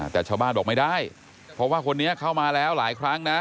แต่ชาวบ้านบอกไม่ได้เพราะว่าคนนี้เข้ามาแล้วหลายครั้งนะ